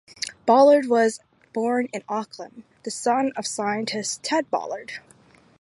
Bollard was born in Auckland, the son of scientist Ted Bollard.